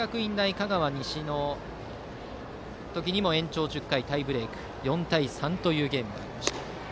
香川西の時にも延長１０回タイブレークで４対３というゲームでした。